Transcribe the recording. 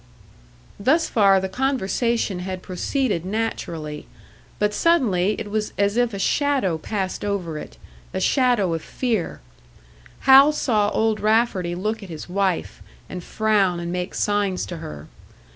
Thus far the conversation had proceeded naturally; but suddenly it was as if a shadow passed over it a shadow of fear. Hal saw Old Rafferty look at his wife, and frown and make signs to her.